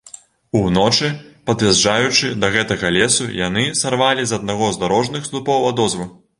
Уночы, пад'язджаючы да гэтага лесу, яны сарвалі з аднаго з дарожных слупоў адозву.